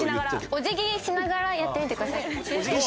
お辞儀しながらやってみてください。